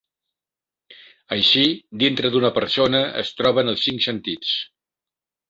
Així dintre d'una persona es troben els cinc sentits.